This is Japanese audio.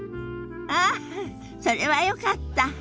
ああそれはよかった。